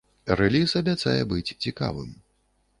Рэліз абяцае быць цікавым.